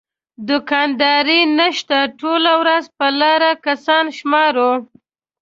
دوکانداري نشته ټوله ورځ په لاره کسان شمارو.